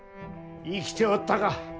生きておったか。